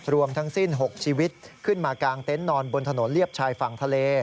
รวมทั้งสิ้น๖ชีวิตขึ้นมากางเต็นต์นอนบนถนนเรียบชายฝั่งทะเล